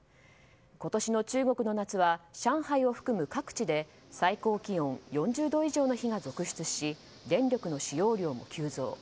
今年の中国の夏は上海を含む各地で最高気温４０度以上の日が続出し電力の使用量も急増。